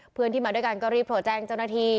เพื่อนที่มาด้วยกันก็รีบโทรแจ้งเจ้าหน้าที่